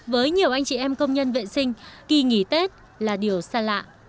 với nhiều anh chị em công nhân vệ sinh kỳ nghỉ tết là điều xa lạ